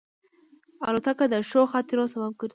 الوتکه د ښو خاطرو سبب ګرځي.